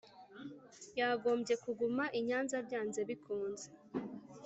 yagombye kuguma i nyanza, byanze bikunze.